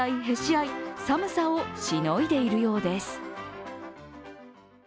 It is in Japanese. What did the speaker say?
へし合い寒さをしのいでいるようです。